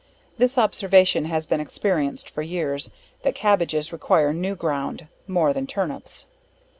This observation has been experienced for years that Cabbages require new ground, more than Turnips.